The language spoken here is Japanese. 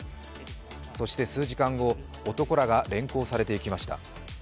そして数時間後、男らが連行されていきました。